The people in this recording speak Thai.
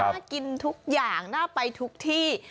น่ากินทุกอย่างน่าไปทุกที่